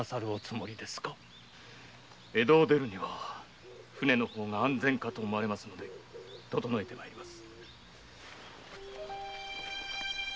江戸を出るには舟の方が安全かと思われますので整えて参ります。